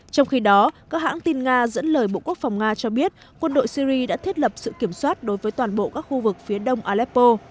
trong khi đó các hãng tin nga dẫn lời bộ quốc phòng nga cho biết quân đội syri đã thiết lập sự kiểm soát đối với toàn bộ các khu vực phía đông aleppo